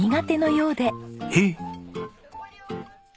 えっ？